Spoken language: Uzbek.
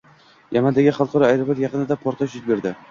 Yamandagi xalqaro aeroport yaqinida portlash yuz berdi